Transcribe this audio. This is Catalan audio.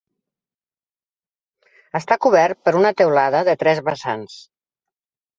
Està cobert per una teulada de tres vessants.